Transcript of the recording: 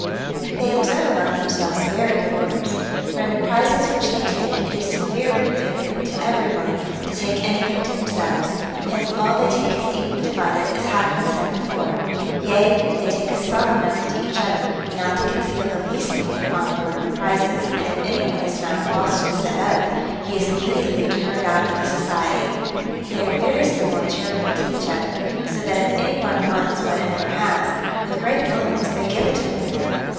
They observe among themselves very good orders; for in the prizes which they take, it is severely prohibited, to every one, to take anything to themselves: hence all they take is equally divided, as hath been said before: yea, they take a solemn oath to each other, not to conceal the least thing they find among the prizes; and if any one is found false to the said oath, he is immediately turned out of the society. They are very civil and charitable to each other; so that if any one wants what another has, with great willingness they give it one to another.